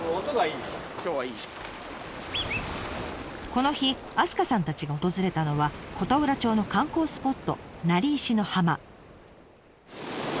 この日明日香さんたちが訪れたのは琴浦町の観光スポット